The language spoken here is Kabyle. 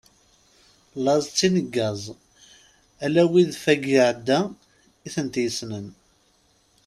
Laẓ d tineggaẓ, ala wid fayeg εeddant i tent-yessenen.